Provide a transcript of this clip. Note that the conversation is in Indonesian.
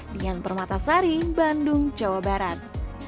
dian permatasari bandung jawa barat